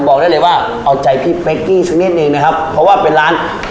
บอกได้เลยว่าเอาใจพี่เป๊กกี้สักนิดหนึ่งนะครับเพราะว่าเป็นร้าน